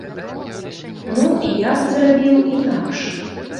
Ну, я б зрабіў інакш.